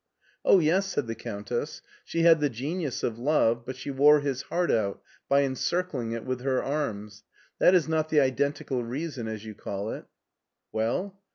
" Oh, yes !" said the Countess ;" she had the genius of love, but she wore his heart out by encircling it with her arms. That is not the identical reason, as you call it." Well?"